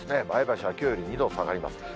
前橋はきょうより２度下がります。